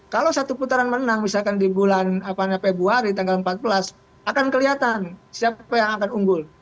kalau satu putaran menang misalkan di bulan februari tanggal empat belas akan kelihatan siapa yang akan unggul